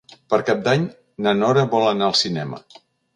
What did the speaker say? Per Cap d'Any na Nora vol anar al cinema.